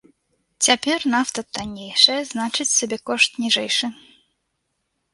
Цяпер нафта таннейшая, значыць сабекошт ніжэйшы.